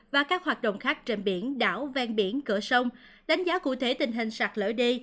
và các hoạt động khác trên biển đảo ven biển cửa sông đánh giá cụ thể tình hình sạt lỡ đê